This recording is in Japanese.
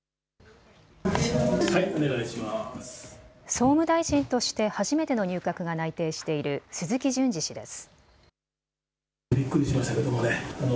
総務大臣として初めての入閣が内定している鈴木淳司氏です。